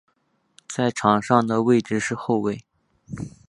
在场上的位置是后卫。